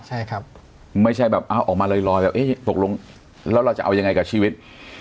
ใช่ครับไม่ใช่แบบเอาออกมาลอยแบบเอ๊ะตกลงแล้วเราจะเอายังไงกับชีวิต